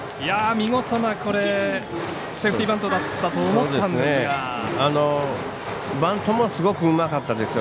見事なセーフティーバントだと思ったんですが。